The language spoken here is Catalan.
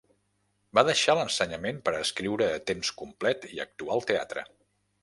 Va deixar l'ensenyament per escriure a temps complet i actuar al teatre.